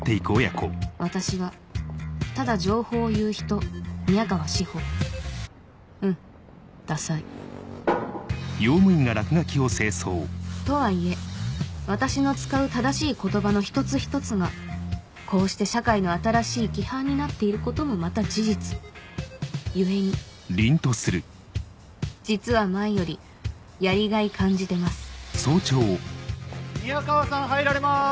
私は「ただ情報を言う人」宮川志帆うんダサいとはいえ私の使う正しい言葉の一つ一つがこうして社会の新しい規範になっていることもまた事実故に実は前よりやりがい感じてます宮川さん入られます。